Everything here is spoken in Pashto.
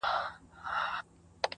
د خلکو حافظه له دې کيسې نه پاکيږي هېڅ,